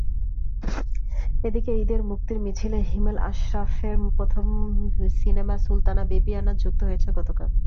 এদিকে ঈদের মুক্তির মিছিলে হিমেল আশরাফের প্রথম সিনেমা সুলতানা বিবিয়ানা যুক্ত হয়েছে গতকাল।